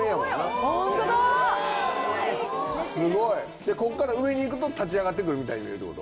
でここから上に行くと立ち上がってくるみたいに見えるってこと？